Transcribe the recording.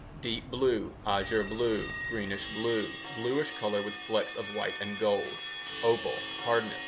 ] Deep blue, azure blue, greenish blue (bluish color with flecks of white and gold) Opal (hardness: 5.